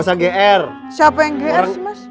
siapa yang geer